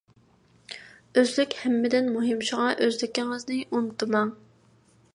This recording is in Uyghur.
ئۆزلۈك ھەممىدىن مۇھىم. شۇڭا ئۆزلۈكىڭىزنى ئۇنتۇماڭ!